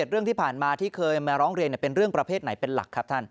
เรื่องที่ผ่านมาที่เคยมาร้องเรียนเป็นเรื่องประเภทไหนเป็นหลักครับท่าน